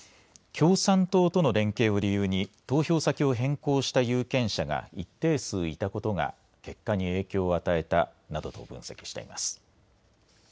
共産党との連携を理由に投票先を変更した有識者が一定数いたことが結果に影響を与えたなどと分析しています。